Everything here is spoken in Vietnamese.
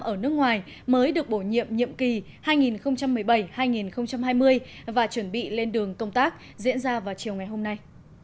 ở nước ngoài mới được bổ nhiệm nhiệm kỳ hai nghìn một mươi bảy hai nghìn hai mươi và chuẩn bị lên đường công tác diễn ra vào chiều ngày hôm nay